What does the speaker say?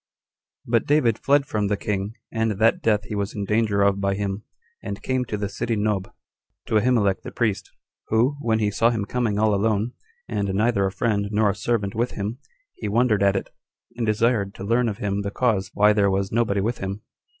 1. But David fled from the king, and that death he was in danger of by him, and came to the city Nob, to Ahimelech the priest, who, when he saw him coming all alone, and neither a friend nor a servant with him, he wondered at it, and desired to learn of him the cause why there was nobody with him.